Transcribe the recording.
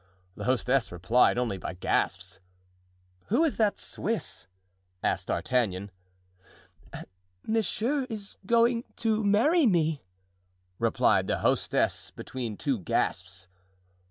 The hostess replied only by gasps. "Who is that Swiss?" asked D'Artagnan. "Monsieur is going to marry me," replied the hostess, between two gasps.